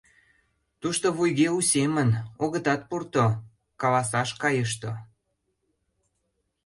Тушто вуйге у семын: огытат пурто, каласаш кайышто.